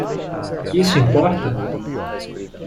Isso importa?